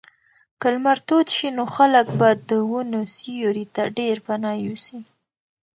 که لمر تود شي نو خلک به د ونو سیوري ته ډېر پناه یوسي.